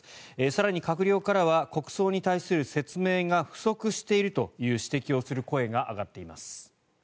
更に閣僚からは国葬に対する説明が不足しているという指摘をする声が上がっています。